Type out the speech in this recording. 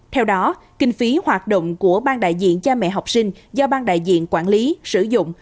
theo đó kinh phí hoạt động của ban đại diện cha mẹ học sinh do ban đại diện quản lý sử dụng